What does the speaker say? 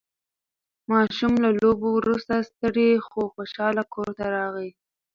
ماشوم له لوبو وروسته ستړی خو خوشحال کور ته راغی